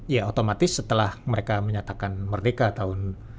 ya otomatis setelah mereka menyatakan merdeka tahun